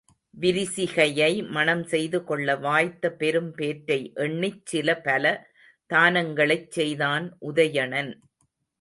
விரிசிகையை மணம் செய்துகொள்ள வாய்த்த பெரும் பேற்றை எண்ணிச் சில பல தானங்களைச் செய்தான் உதயணன்.